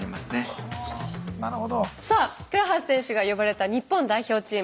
さあ倉橋選手が呼ばれた日本代表チーム。